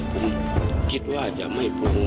ผมคิดว่าจะไม่ปรุงไม่ต่อศพ